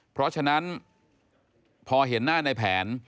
เพราะฉะนั้นพอเห็นหน้าในแผน